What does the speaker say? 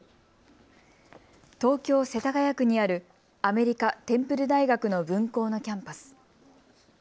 東京世田谷区にあるアメリカ・テンプル大学の分校のキャンパス。